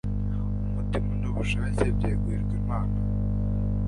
umutima nubushake byegurirwa Imana